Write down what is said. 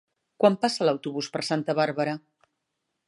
Quan passa l'autobús per Santa Bàrbara?